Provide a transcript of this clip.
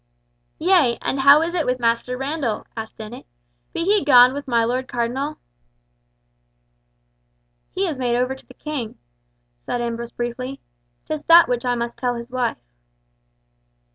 "Yea, and how is it with Master Randall?" asked Dennet. "Be he gone with my Lord Cardinal?" "He is made over to the King," said Ambrose briefly. "'Tis that which I must tell his wife."